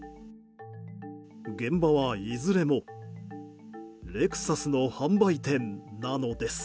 現場はいずれもレクサスの販売店なのです。